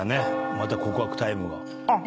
また告白タイムが。